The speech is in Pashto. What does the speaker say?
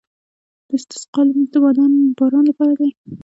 د استسقا لمونځ د باران لپاره دی.